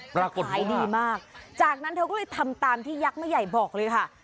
ขายดีมากจากนั้นเธอก็เลยทำตามที่ยักษ์แม่ใหญ่บอกเลยค่ะ